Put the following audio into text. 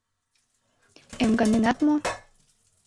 Эмганенат мо?